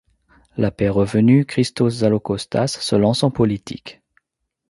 La paix revenue, Chrístos Zalokóstas se lance en politique.